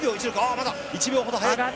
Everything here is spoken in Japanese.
まだ１秒ほど早い。